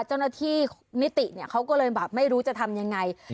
เจ้าหน้าที่นิติเนี่ยเขาก็เลยแบบไม่รู้จะทำยังไง